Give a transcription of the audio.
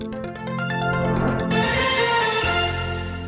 สวัสดีครับ